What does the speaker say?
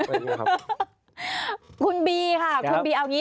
คุณบีค่ะคุณบีเอาอย่างนี้